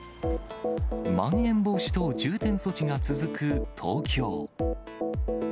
まん延防止等重点措置が続く東京。